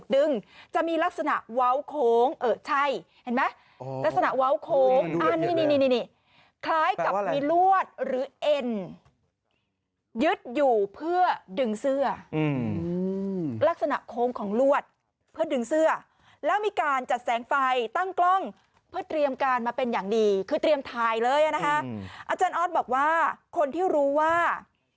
เดี๋ยวเราจะทดลองนอนดูว่า